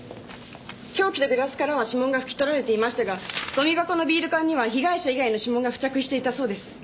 凶器とグラスからは指紋が拭き取られていましたがゴミ箱のビール缶には被害者以外の指紋が付着していたそうです。